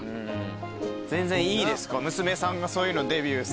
全然いいですか？